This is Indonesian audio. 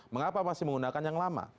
mengapa masih menggunakan yang lama